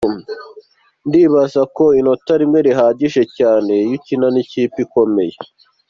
Ndibaza ko inota rimwe rihagije cyane iyo ukina n’ikipe ikomeye.